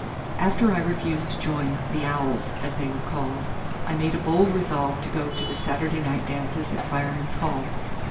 After I refused to join "the Owls," as they were called, I made a bold resolve to go to the Saturday night dances at Firemen's Hall.